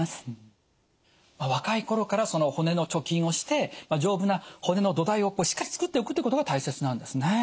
若い頃から骨の貯金をして丈夫な骨の土台をしっかりつくっておくっていうことが大切なんですね。